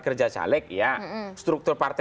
kerja caleg ya struktur partai